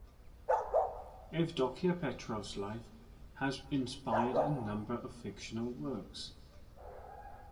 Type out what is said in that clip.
Evdokia Petrov's life has inspired a number of fictional works.